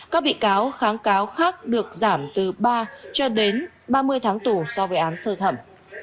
các bị cáo kháng cáo khác được giảm từ ba cho đến ba mươi tháng tù so với án sơ thẩm